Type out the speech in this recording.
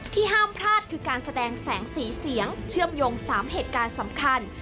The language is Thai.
ห้ามพลาดคือการแสดงแสงสีเสียงเชื่อมโยง๓เหตุการณ์สำคัญ